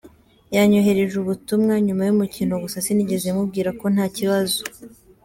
Yanyoherereje ubutumwa nyuma y’umukino gusa sinigeze mubwira ko nta kibazo.